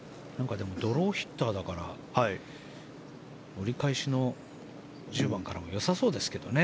でもドローヒッターだから折り返しの１０番からもよさそうですけどね